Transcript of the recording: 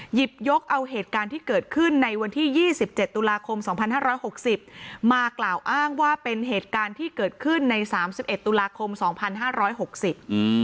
หยิบยกเอาเหตุการณ์ที่เกิดขึ้นในวันที่ยี่สิบเจ็ดตุลาคมสองพันห้าร้อยหกสิบมากล่าวอ้างว่าเป็นเหตุการณ์ที่เกิดขึ้นในสามสิบเอ็ดตุลาคมสองพันห้าร้อยหกสิบอืม